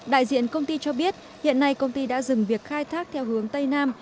đại diện công ty cho biết hiện nay công ty đã dừng việc khai thác theo hướng tây nam